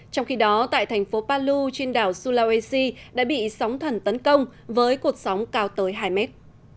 trong khi đó tại thành phố palu trên đảo sulawesi đã bị sóng thần tấn công với cột sóng cao tới hai mét